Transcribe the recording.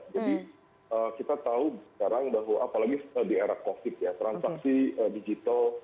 jadi kita tahu sekarang bahwa apalagi di era covid ya transaksi digital